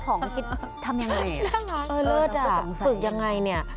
ต้องขอไม่คิดทำยังไงอ่ะสงสัยเออเลิศอ่ะฝึกยังไงเนี่ย